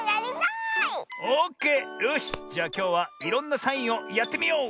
オッケーよしじゃあきょうはいろんなサインをやってみよう！